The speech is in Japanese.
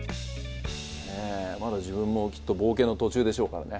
まだ自分もきっと冒険の途中でしょうからね。